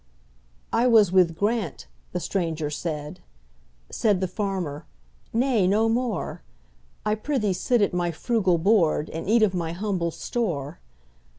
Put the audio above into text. "I was with Grant"—the stranger said; Said the farmer, "Nay, no more,—I prithee sit at my frugal board, And eat of my humble store.